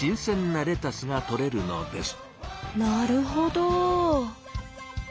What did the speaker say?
なるほど。